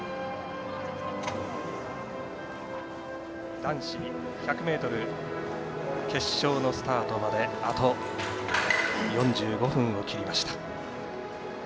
男子１００ｍ決勝のスタートまであと４５分を切りました。